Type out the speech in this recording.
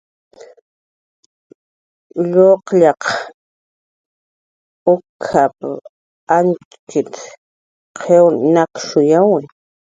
"Luqllaq uk""ap"" Antxqit"" qiw nakshuyawi"